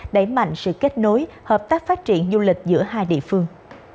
đẩy mạnh sự kết nối hợp tác phát triển du lịch giữa hai địa phương